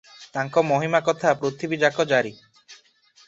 ତାଙ୍କ ମହିମା କଥା ପୃଥିବୀଯାକ ଜାରି ।